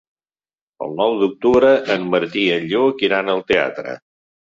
El nou d'octubre en Martí i en Lluc iran al teatre.